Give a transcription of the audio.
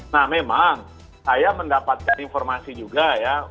nah memang saya mendapatkan informasi juga ya